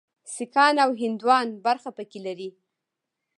سیکهان او هندوان برخه پکې لري.